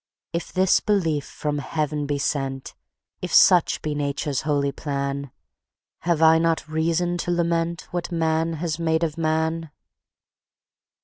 If this belief from heaven be sent, If such be Nature's holy plan, Have I not reason to lament What man has made of man?